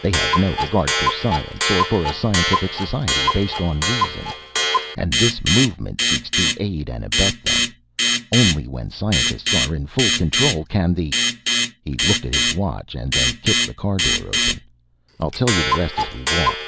They have no regard for science or a scientific society, based on reason. And this Movement seeks to aid and abet them. Only when scientists are in full control can the "He looked at his watch and then kicked the car door open. "I'll tell you the rest as we walk."